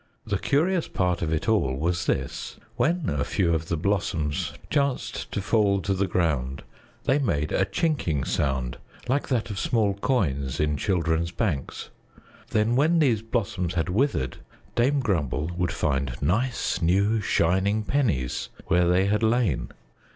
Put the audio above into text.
The curious part of it all was this: When a few of the blossoms chanced to fall to the ground, they made a chinking sound like that of small coins in children's banks. Then when these blossoms had withered, Dame Grumble would find nice, new shining pennies where they had lain.